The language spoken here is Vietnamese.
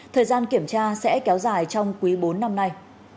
thời gian kiểm tra sẽ kéo dài trong quý bốn năm nay